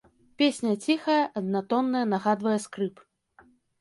Песня ціхая, аднатонная, нагадвае скрып.